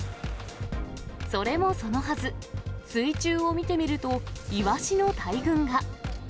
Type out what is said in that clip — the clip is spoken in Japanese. それもそのはず、水中を見てみると、イワシの大群が。